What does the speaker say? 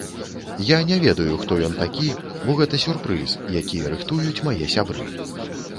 Я не ведаю, хто ён такі, бо гэта сюрпрыз, які рыхтуюць мае сябры.